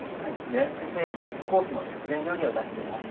予約制でコースの薬膳料理を出しています。